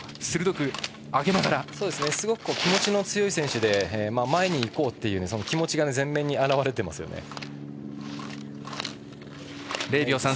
すごく気持ちの強い選手で前に行こうという気持ちが前面に表れていますよね。